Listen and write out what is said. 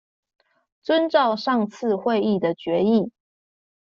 遵照上次會議的決議